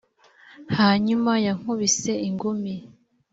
hanyuma yankubise ingumi